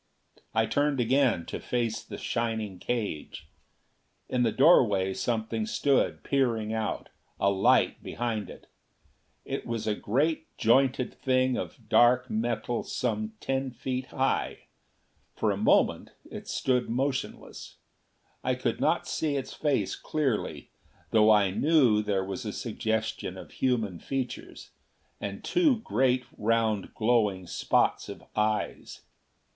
I turned again, to face the shining cage. In the doorway something stood peering out, a light behind it. It was a great jointed thing of dark metal some ten feet high. For a moment it stood motionless. I could not see its face clearly, though I knew there was a suggestion of human features, and two great round glowing spots of eyes.